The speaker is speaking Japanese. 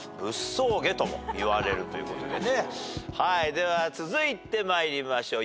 では続いて参りましょう。